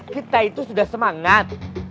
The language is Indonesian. kita itu sudah semanat